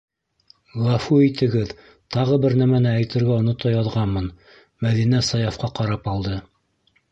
Ғәфү итегеҙ, тағы бер нәмәне әйтергә онота яҙғанмын, - Мәҙинә Саяфҡа ҡарап алды.